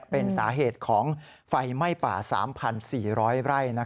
เป็นสาเหตุของไฟไหม้ป่า๓๔๐๐ไร่